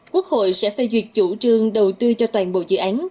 quốc hội sẽ phê duyệt chủ trương đầu tư cho toàn bộ dự án